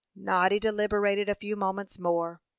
Noddy deliberated a few moments more.